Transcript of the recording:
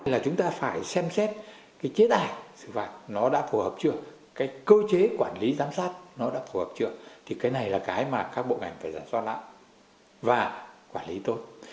là chúng ta phải xem xét cái chế tài xử phạt nó đã phù hợp chưa cái cơ chế quản lý giám sát nó đã phù hợp chưa thì cái này là cái mà các bộ ngành phải giả soát lại và quản lý tốt